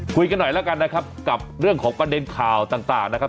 คุยกันหน่อยแล้วกันนะครับกับเรื่องของประเด็นข่าวต่างนะครับ